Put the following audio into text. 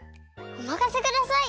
おまかせください！